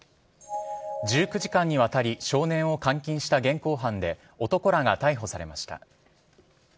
１９時間にわたり、少年を監禁した現行犯で男らが逮捕されました。